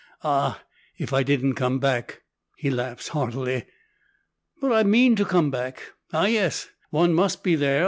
Ah, if I didn't come back!" He laughs heartily. "But I mean to come back. Ah, yes! One must be there.